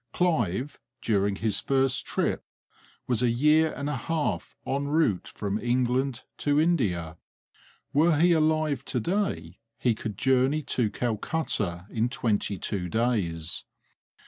Clive, during his first trip, was a year and a half en route from England to India; were he alive to day he could journey to Calcutta in twenty two days.